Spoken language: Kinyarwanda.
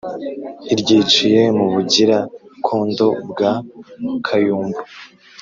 iryiciye mu bugira-condo bwa kayumbu.